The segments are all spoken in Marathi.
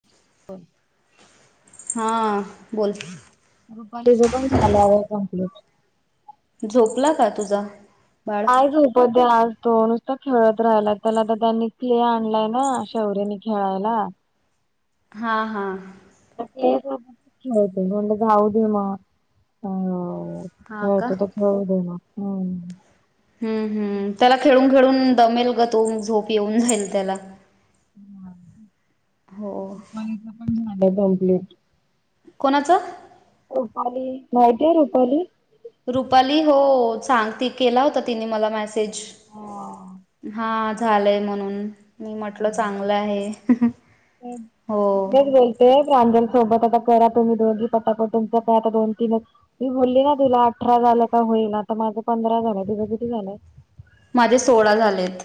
[inaudible] हां बोल. रुपालीच पण झालं आहे कंप्लीट. झोपला काय तुझा. बाळ नाय झोपतये आज तो नुस नुसतं खेळत राहिलाय. त्याला तर त्यांनी क्ले आणलाय ना शौर्यनी खेळायला. हा हा. [unintelligible] जावू दे मग अ. [unintelligible] हा का खेळू दे ना हम्म. हम हम. त्यांला खेळून खेळून दमेल गं तो मग झोप येऊन जाईल त्याला. हो रुपालीच पण झालं कम्प्लेंट. कोणाचं. रुपाली माहिती आहे रुपाली. रुपाली हो सांग ती केला. होता तिने मला मेसेज. हा. हा झालंय म्हणून. मी म्हटल चांगलं आहे हो. ते प्रांजल सोबत आता करा. तुम्ही दोघी पटाकट तुमचा काय आता दोन तीनच मी बोलली ना तुला. अठरा झालं का होईल आता माझं पंधरा झालंय तुझं किती झालंय. माझे सोळा झालेत.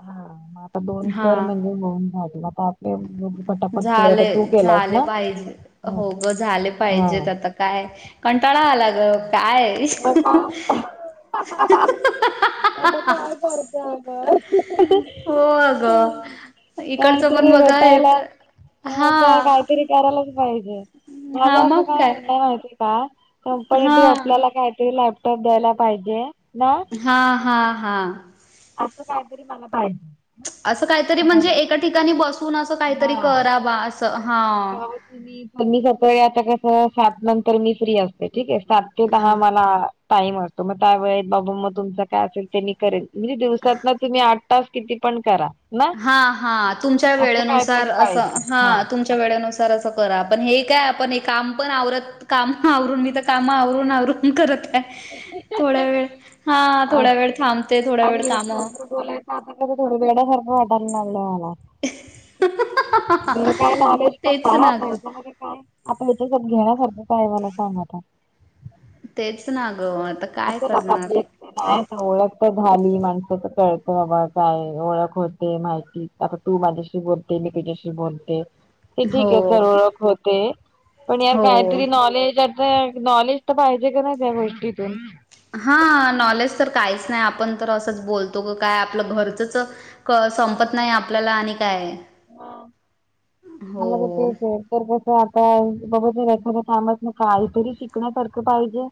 हा मग आता दोन हा कर म्हणजे मग [unintelligible] झाले झाले ना? पाहिजे हो गं, झाले हा. पाहिजेत आता. काय कंटाळा आला गं कायं. हाहाहा. आता काय करते आगं. हो अगं इकडचं पण बघा हे हा. की करायलाच पाहिजे. माझ हा असं मग काय म्हणाला माहित आहे का. पै हा धरी आपल्याला काय तरी लॅपटॉप द्यायला पाहिजे ना. हा हा हा. असं काहीतरी मला पाहिजे. असं काहीतरी म्हणजे, एका ठिकाणी बसून असं काहीतरी हा. करा बा असं हां. बाबा तुम्ही फनी करतोय. आता कसं सात नंतर मी फ्री असते. ठीक ये सात ते हा दहा मला. टाइम असतो. मग त्या वेळेत बाबा मग तुमच काय असेल ते मी करेन. म्हणजे दिवसात ना तुम्ही आठ. टास किती पण करा. ना हा हा तुमच्या असं वेळेनुसार काहीतरी पाहिजे असं हा तुम तुमच्या वेळेनुसार अस करा. आपण हे काय आपण हे काम पण आवरत काम आवरून मी तर. काम आवरून आवरून करत आहे. थोड्या वेळ हा थोड्या वेळ थांबते. थोड्या वेळ काम. [unintelligible] वेड्या सारख वाटायला लागल मला. धड काय नॉलेज पण तेच नाय [unintelligible] ना आता ग हेच्या हेजात घेण्यासारख काय मला सांग आता. तेच ना गं आता. [unintelligible] काय करणार ओळख तर झाली. माणसं तर कळत बाबा काय ओळख होते माहिती. आता तू माझ्याशी बोलते. मी तुझ्याशी बोलते. ते हो ठीक आहे सोड ओळख होते. पण यार हो काहीतरी नॉलेज. काय नॉलेज तर पाहिजे कणी त्या गोष्टीतून. हा नॉलेज काहीच नाही. आपण तर बोलतो क काय आपलं घरचंच. क संपत नाही आपल्याला आणि काय. मग हो तेच ये. तर कसं आता बाबा एखाद कामात न काहीतरी शिकण्यासारखं पाहिजे.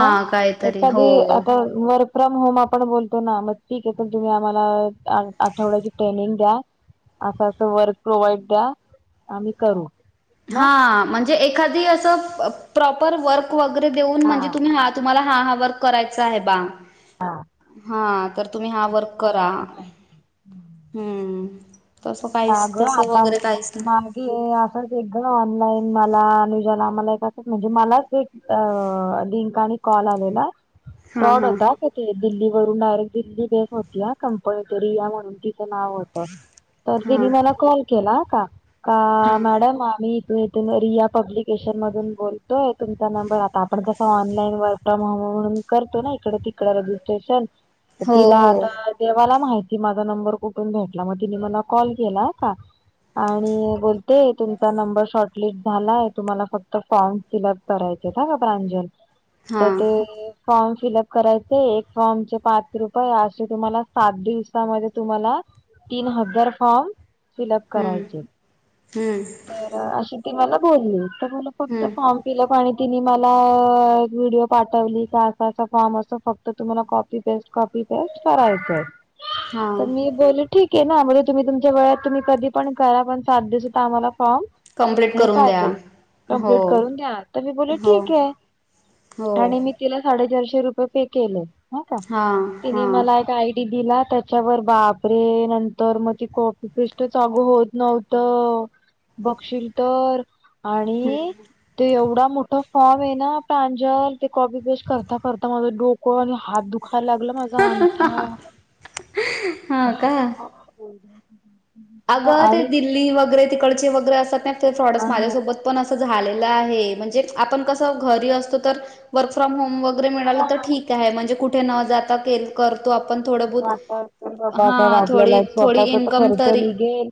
मग काहीतरी हो एखादी आता. वर्क फ्रॉम होम आपण बोलतो ना. मग ठीक आहेे तुम्ही आम्हाला आठवड्याची ट्रेनिंग द्या. असं असं वर्क प्रोव्हाइड द्या आम्ही करू. ना हा म्हणजे एखादी अस प्रोपर वर्क वगैरे देऊन हा म्हणजे तुम्ही हात. तुम्हाला हा हा वर्क करायचा आहे बा. हा. हा तर तुम्ही हा असं वर्क करा. काहीतरी हम्म. तस काहीच तसं वगैरे काहीच नाही. क असंच एक ग ऑनलाईन मला अनूजाला मला एक असंच म्हणजे मला. लिंक आणि कॉल आलेला. हा फ्रोड हा होता का ते दिल्ली वरून डायरेक्ट दिल्ली. [unintelligible] तीच नाव होत. तर हा तीन मला कॉल. केला का. का हा मॅडम आम्ही इथं. तर रिया पब्लिकेशन मधून बोलतोय. तुमचा नंबर आता आपण कस ऑनलाईन वर्कफॉर्म हवं म्हणून. करतो ना इकडे तिकडं रजिस्ट्रेशन. तर हो तिला हो आता देवाला माहिती माझा नंबर कुठून भेटला मग तिने मला कॉल केला आता. आणि बोलते तुमचा नंबर शॉर्टलिस्ट झालाय. तुम्हाला फक्त फॉर्म फिलअप. करायचे ह का प्रांजल. हा तर ते फॉर्म फिलअप करायचे. एक फॉर्मचे पाच रुपया असे तुम्हाला सात दिवसामध्ये तुम्हाला तीन हजार फॉर्म. फिलअप हम्म करायचेत. हम्म त अ अशी ती मला बोलली तर मी म्हंटलं फक्त हम्म फॉर्म फिलअप आणि तिने मला एक व्हिडिओ पाठवली का असा असा फॉर्म असतो फक्त तुम्हाला कॉपी पेस्ट कॉपी पेस्ट करायचं आहे. हा तर मी [unintelligible] ठीक आहे ना म्हणजे तुम्ही तुमच्या वेळेत तुम्ही कधी पण करा पण सात दिवसात आम्हाला फॉर्म कंप्लीट हे करून द्या पाहिजे हो कम्प्लीट करून द्या तर मी बोलले हो ठीक आहे. हो. आणि मी तिला साडेचारशे रुपये पे केले. हा का. हा. हा तिने मला एक आय डी दिला त्या च्यावर बापरे नंतर मग ते कॉपी पेस्टचं अगं होतं नव्हतं. बघशील तर हम्म आणि ते एवढा मोठा फॉर्म आहे ना प्रांजल ते कॉपी पेस्ट करता करता माझं डोकं आणि हात दुखा यला लागलं माझा अंगठा हा का हो अगं ते आणि दिल्ली वगैरे तिकडचे वगैरे असतात ना ते फ्रॉड्स हा माझ्यासोबत पण असं झालेलं आहे म्हणजे आपण कसं घरी असतो तर वर्क फ्रॉम होम वगैरे मिळालं तर ठीक आहे म्हणजे कुठे न जाता केल करतो आपण थोडं बहोत. वाटत असेल बाबा हा का आपल्याला थोडी एक थोडी स्वतःचा तर इनकम खर्च तरी निघेल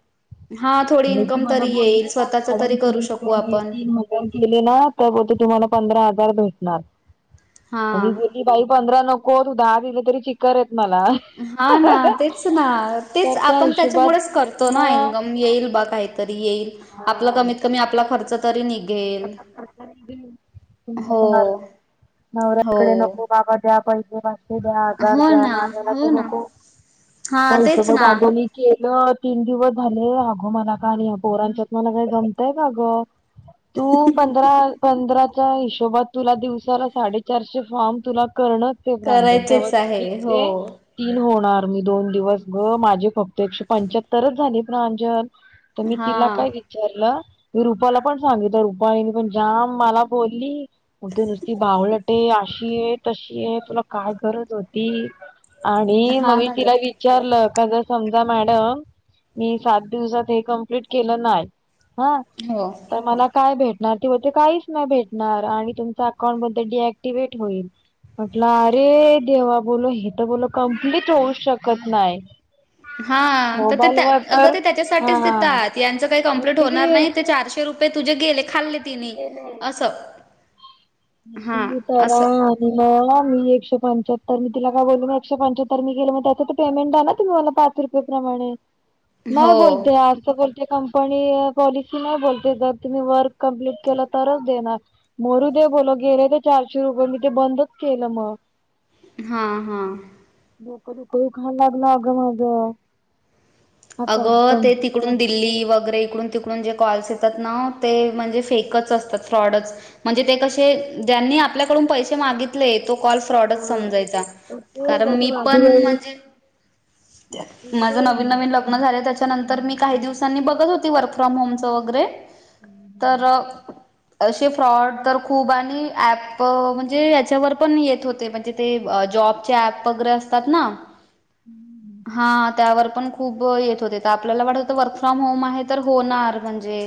हा थोडी आणि ती इन्कम मला तरी येईल बोलली का स्वतःच मॅडम तरी करू शकू [unintelligible] आपण जर केले ना तर बहुतेक तुम्हाला पंधरा हजार भेटणार. हा आणि जे ए बाई पंधरा नकोत दहा दिले तरी चिक्कार आहेत. मला हा ना तेच ना तेच तर त्या आपण हिशोबात त्याच्यामुळेचं करतो ना मग इनकम पण येईल बा काहीतरी येईल आपला कमीत कमी आपला खर्च तरी निघेल. हो [unintelligible] हो नवऱ्याकडे नको बाबा द्या पैसे हे द्या हजार हो द्या ना मागायला हो तर ना नको. हा [unintelligible] तेच ना केलं तीन दिवस झाले अगं मला काल या पोरांच्यात मला काय जमतय का गं. तू पं धरा पंधराच्या हिशोबात तुला दिवसाला साडे चारशे फॉर्म तुला करणं [unintelligible] प्रांजल तेव्हा करायचेच आहे तुझे हो ते तीन होणार मी दोन दिवस गं माझे फक्त एकशे पंच्याहत्तरचं झाली प्रांजल. तर मी हा तिला काय विचारलं मी रुपाला पण सांगितलं रुपालीने पण जाम मला बोलली. तू तर नुसती बावळट आहे. अशी आहे तशी आहे. तुला काय गरज होती. आणि मग हा मी ना ग तिला विचारलं का जर समजा मॅडम. मी सात दिवसात हे कंप्लीट केलं नाय हा. हो. तर मला काय भेटणार ती बोलते काहीच नाही भेटणार आणि तुमचं अकाउंट बोलते डी ऍक्टिव्हेट होईल. म्हंटलं अरे देवा बोललो ही तर बोललो कंप्लीट होऊच शकत नाही. हा तर ते मोबाईल त्या वर अगं तर ते हा त्याच्यासाठीच देतात यांचं काही मग कंप्लीट होणार नाही तेच ते चारशे रु पये तुझे गेले खाल्ले तिने असं. हा [unintelligible] असं मी मग मी एकशे पंच्याहत्तर मी तिला काय बोललो मग एकशे पंच्याहत्तर मी केलं मग त्याचं तर पेमेंट द्या ना तुम्ही मला पाच [unintelligible] प्रमाणे [inaudible] नाय बोलते. [unintelligible] ती कंपनी पॉलिसी नाही बोलते. जर तुम्ही वर्क कम्प्लिट केला तरच देणारं. दे बोलों गेले ते चारशे रुपये मी ते बंदच केलं मग. हां हां. डोकं दुखायला लागलं अगं माझं. हा का अगं ते तिकडून कम्प्युटर दिल्ली वगैरे इकडून ति आपून जे कॉल्स येतात ना. ते म्हणजे फेकच असतात फ्रॉडच. म्हणजे ते कसे ज्यांनी आपल्याकडून पैसे मागितले. तो कॉल फ्रॉडच समजायचा. कारण मी हा ते पण माझी काही म्हणजे माझ नवीन नवीन लग्न लग्न झाले त्याच्यानंतर मी काही दिवसांनी बघत होते वर्क फ्रॉम होमच वगैरे. तर. असे फ्रॉड तर खूप आणि ऍप म्हणजे याच्यावर पण येत होते. म्हणजे ते जॉबचे ऍप वगैरे असताना. हा त्यावर पण हो येत होते. तर आपल्याला वाटत होतं वर्क फ्रॉम होम आहे तर होणार म्हणजे.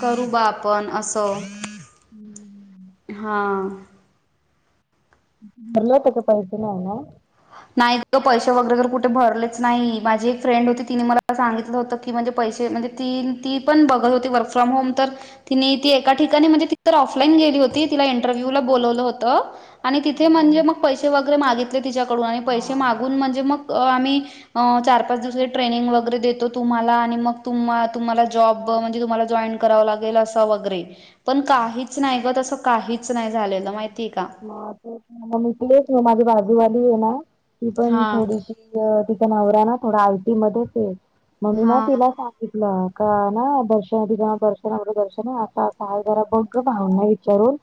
करू बा आपण असं. [inaudible] हां. भरलं होत सकाळी ते नाय ना. नाही पैसे वगैरे तर कुठे भरलेच नाही. माझी एक फ्रेंड होती तिने मला सांगितलं होतं. ती म्हणजे पैसे म्हणजे तीन ती पण बघत होती वर्क होम तर. तिनी ती एका ठिकाणी म्हणजे ती तर ऑफलाईन गेली होती तिला इंटरव्ह्यू ला बोलवलं होतं. आणि तिथे म्हणजे मग पैसे वगैरे मागितले. तिच्याकडून आणि पैसे ना मागून म्हणजे मग आम्ही चार पाच दिवसाची ट्रेनिंग वगैरे देतो. तुम्हाला आणि मग तुम्हाला जॉब म्हणजे तुम जॉईड. कराव लागेल अस वगैरे पण काहीच नाही गं तसं काहीच नाही झालेलं माहितीय का. [unintelligible] माझी बाजूवाली आहे ना ती पण हां थोडीशी. तिचा नवरा ना थोडा आयटी मध्येच ये. मग मी ना हां तिला सांग सांगितलं का ना दर्शन दर्शना दर्शना असं असं हाय जरा बघ भावनाला. विचारून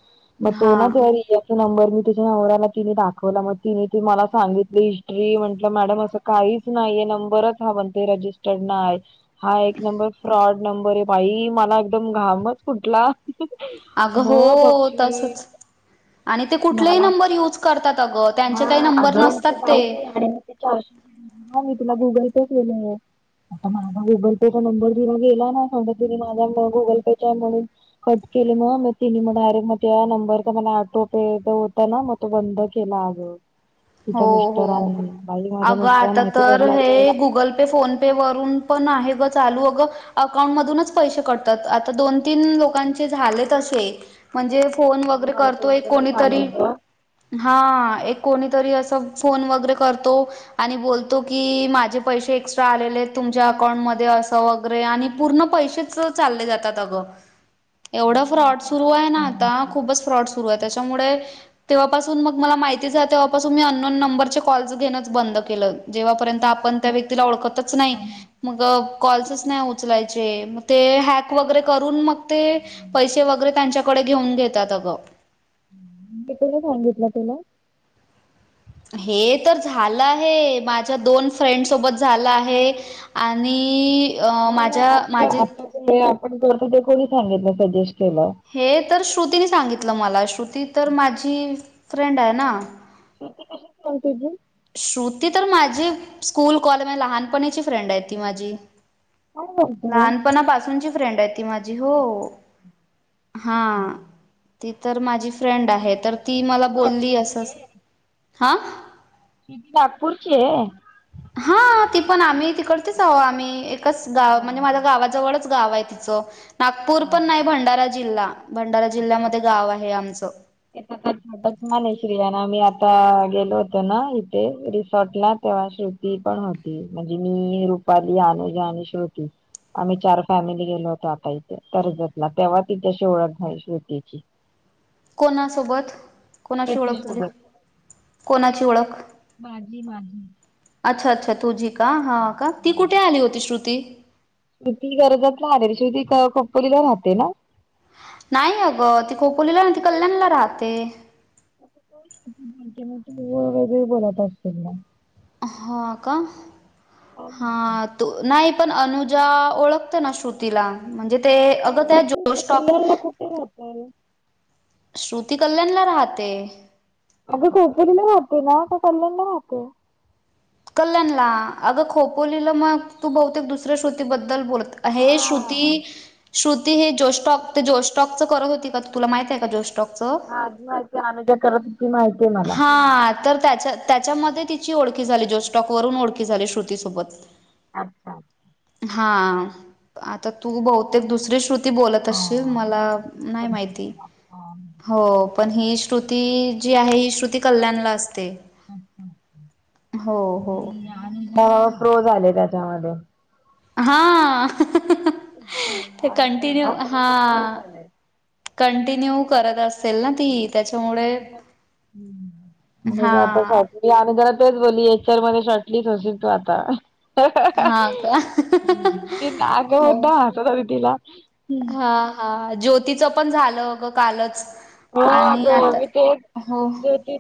मग तो ना हां तरी य. नंबर मी तीच्या नवऱ्याला तिने दाखवला. मग तिने ती मला सांगितलं हिस्ट्री म्हटलं मॅडम असं. काहीच नाहीये नंबरच हा म्हणते रजिस्टर्ड नाय. हा एक नंबर फ्रॉड नंबर आहे. बाई मला एकदम घामच फुठला. अगं मग हो बघशील. तसंच आणि ते कुठलेही नंबर युज करतात. अगं हा त्यांचे काही नंबर अगं नसतात ते. जाऊ दे आणि मग ते चारशे हा मी तुला गुगल पे केले. आता माझा गुगल पेचा नंबर तिला गेला ना. समजा तिने माझा गुगल पेचा आहे म्हणून. कट केलं. मग मग ति मग डायरेक्ट मग त्या नंबरचा मला आठवते होता, ना मग तो बंद के केला अगं. हो तिच्या हो मिस्टरांनी बाई माझ्या अगं मिस्टरांना आता माहिती तर पडलं असतं हे गुगल पे फोन. पे वरून पण आहे गं चालू अगं. अकाउंटमधूनच पैसे कटतात. आता दोन तीन लोकांचे झालेत असे. म्हणजे फोन वगैरे करतो. एक कोणीतरी हा एक कोणी. तरी असं फोन वगैरे करतो. आणि बोलतो की माझे पैसे एक्स्ट्रा आलेले आहेत. तुमच्या अकाउंटमध्ये असं वगैरे आणि पूर्ण पैसे चं. सं चालले जातात अगं. एवढा फ्रॉड सुरू आहे ना. आता खूपच फ्रॉड सुरू आहे तेचामुळे. तेव्हापासून मग मला माहितीच तेव्हापासून मी अनोन नंबरचे कॉल घेणंच बंद केलं. जेव्हापर्यंत आपण त्या व्यक्तीला ओळखतच नाही मगं. कॉल्सच नाहीच उचलायचे म ते हॅक वगैरे करून मग ते पैसे वगैरे त्यांच्या. कडे घेऊन घेतात अगं. कितीदा सांगितलं तुला. हे तर झालं आहे. माझ्या दोन फ्रेंड सोबत झालं आहे. आणि अ नाही नाही माझ्या आपलं माझे. आपण हे आपण करतो ते कोणी सांगितलं सजेस्ट केलं. हे तर श्रुतीने सांगितलं. मला श्रुती तर माझी फ्रेंड आहे ना. श्रुती कशी फ्रेंड तुझी. श्रुती माझी स्कूल कॉले लहानपणीची फ्रेंड आहे ती माझी. काय करते लहानपनापासूनची फ्रेंड येतं. ती माझी हो हा ती तर माझी फ्रेंड आहेत. तर ती मला बोली असं असं हा. श्रुती नागपूरची ये. हा ती पन आम्ही तिकडचे आहो. आम्ही एकच गाव म्हणजे माझ्या हा गावाजवळच गाव आहे तिचं. नागपूर हा पन नाही भंडारा जिल्हा भंडारा अच्छा जिल्ह्यामध्ये गाव आहे आमचं. बचमाने श्रियाना आता आमी गेलो होतो ना इथे रिसॉर्ट ला तेव्हा श ती पन होती. म्हणजे मी रुपाली अनुजा आणि श्रुती. आम्ही चार फॅमिली गेलो होतो. आता इते कर्जतला तेव्हा तिच्याशी ओळख झाली श्रुतीची. कोणासोबत. कोणाशी श्रुती ओळख झाली. सोबत कोणाची ओळख. अच्छा अच्छा तुझी का हा का ती कुठे आली होती श्रुती. श्रुती कर्जतला आलेली. श्रुती खोपोलीला राहते ना. नाही आगं ती खोपोलीला नाही ती कल्यानला राहते. वेगळे बोलत असतील ना. हा का हां. तू नाही पन अनुजा ओळखते ना श्रु तिला म्हणजे आगं त्या जोश स्टाॅक. कल्याणला कुठे राहते श्रुती कल्यानला राहते. अगं खोपोलीला राहते ना का कल्यानला राहते. कल्यान ला अगं खोपोलीला मग तू बहुतेक दुसऱ्या श्रुतीबद्दल बोलतं. हे श्रुती. हा श्रुती हे जोश स्टोक ते जोश स्टोकच करत होती. का ते तुला माहितीये का जोश स्टोकच. हा अनुजा करत होती माहितीये. हा. तर त्या त्याच्यामध्ये तिची ओळखी झाली. जोश स्टोक वरून ओळखी झाली श्रुतीसोबत. अच्छा. हा आता तु बहुतेक दुसरी श्रु ती बोलत असशील हा मला मी दुसरी नाही बोलतो माहिती तुला. हो. पण ही श्रुती जी आहे ही. श्रुती कल्याण ला असते हो हो. अ फ्रोज आले त्यांच्यामध्ये. हा. ते कंटिन्यू हा [inaudible] कंटिन्यू करत अस सेल ना ती त्यांच्यामुळे हा. ते आम्ही तेच बोलीये पिक्चर मध्ये शॉर्ट लिस होशील तू आता. ती हा का अगं हो मुद्दाम हसत होती तिला हम. अ ज्योतीचं पन झालं अगं कालच. हो आणि आगं आता मी तेच हो ज्योती.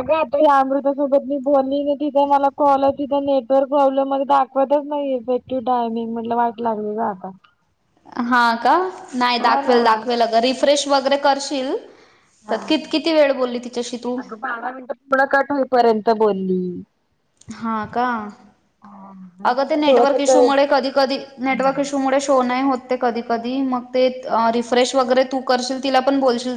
अगं त्या अमृता सोबत मी बोलली ना. तीज मला कॉल आला तिथे नेटवर्क प्रॉब्लेम दाखव होतंच नाही इफेक्टिव्ह डायमिंग म्हटलं वाईट लागली का आता. हा का नाही दाखवेल दाखवेल अग रिफ्रेश वगैरे करशील. तर कि किती वेळ बोली तिच्याशी तू. अगं बारा मिनिट पुढं कट होईपर्यंत बोली. हा का आगं ते नेटवर्क थोडस इशूमुळे कधी कधी नेटवर्क इशू. शो नाही होतं कधी कधी मग ते तू करशील तिला पण बोलशील.